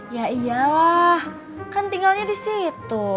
ya iyalah kan tinggalnya di situ